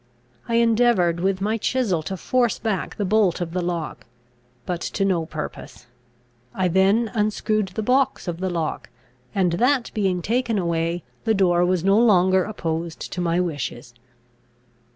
I endeavoured with my chisel to force back the bolt of the lock, but to no purpose. I then unscrewed the box of the lock; and, that being taken away, the door was no longer opposed to my wishes.